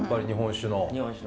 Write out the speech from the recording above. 日本酒の。